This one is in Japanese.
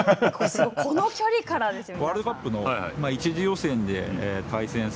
この距離からですよね。